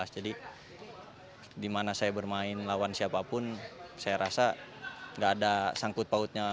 jadi di mana saya bermain lawan siapapun saya rasa gak ada sangkut pautnya